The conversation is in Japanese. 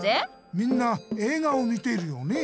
みんな映画を見てるよね。